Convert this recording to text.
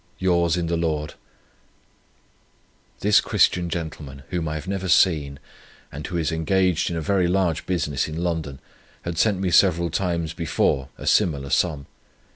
Yours in the Lord .' This Christian gentleman, whom I have never seen, and who is engaged in a very large business in London, had sent me several times before a similar sum.